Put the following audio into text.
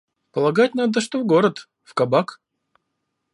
Полагать надо, что в город. В кабак.